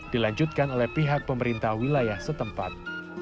dilanjutkan oleh pihak pemerintah wilayah setempat